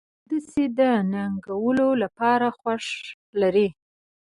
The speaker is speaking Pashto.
همداسې د ننګولو لپاره خوښه لرئ.